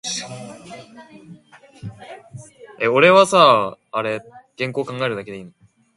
The rest of the day is talk programming with hosts including Merle Pollis.